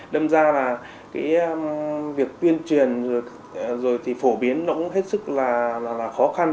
đâm ra là cái việc tuyên truyền rồi thì phổ biến nó cũng hết sức là khó khăn